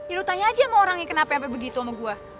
ya lu tanya aja sama orang yang kenapa apa begitu sama gue